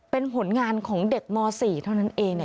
เป็นผลงานของเด็กม๔เท่านั้นเอง